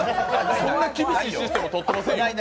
そんな厳しいシステムとってませんよ。